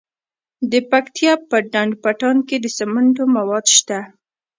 د پکتیا په ډنډ پټان کې د سمنټو مواد شته.